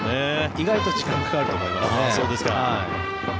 意外と時間がかかると思います。